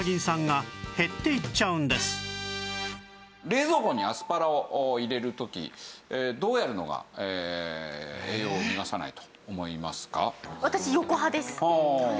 冷蔵庫にアスパラを入れる時どうやるのが栄養を逃がさないと思いますか？